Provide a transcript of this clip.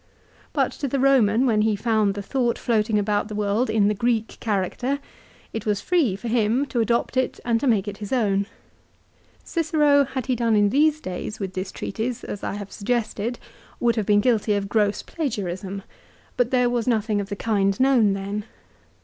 But to the Boman, when he found the thought floating about the world in the Greek character, it was free, for him, to adopt it and to make it his own. Cicero, had he done in these days with this treatise as I have suggested, would have been guilty of gross plagiarism, but there was nothing of the kind known then.